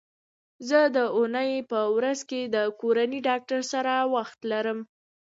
زه د دونۍ په ورځ د کورني ډاکټر سره وخت لرم